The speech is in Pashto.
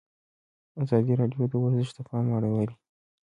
ازادي راډیو د ورزش ته پام اړولی.